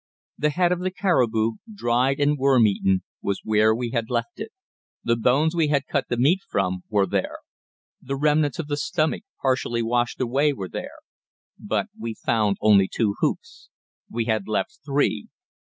The head of the caribou, dried and worm eaten, was where we had left it. The bones we had cut the meat from were there. The remnants of the stomach, partially washed away, were there. But we found only two hoofs. We had left three.